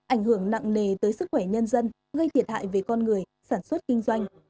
ảnh hưởng nặng nề tới sức khỏe nhân dân gây thiệt hại về con người sản xuất kinh doanh